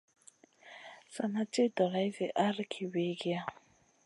Sa ma ci dolay zi ahrki wiykiya.